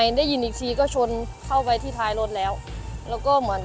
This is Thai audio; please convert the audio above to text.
สวัสดีครับที่ได้รับความรักของคุณ